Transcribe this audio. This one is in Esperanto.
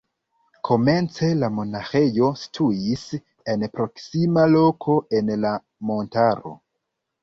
Komence la monaĥejo situis en proksima loko en la montaro.